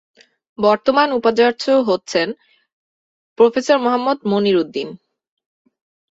বর্তমান উপাচার্য হচ্ছেন প্রফেসর মোহাম্মদ মনির উদ্দিন।